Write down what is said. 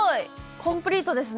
コンプリートですね。